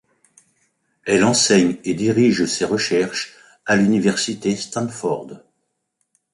Elle enseigne et dirige ses recherches à l'Université Stanford.